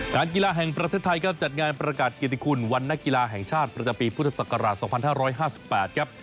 การกีฬาแห่งประเทศไทยครับจัดงานประกาศเกียรติคุณวันนักกีฬาแห่งชาติประจำปีพุทธศักราช๒๕๕๘ครับ